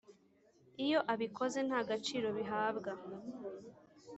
Iyo abikoze nta gaciro bihabwa.